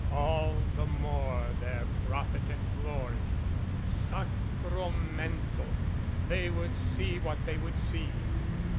All the more their profit and glory! Sacro mento! They would see what they would see.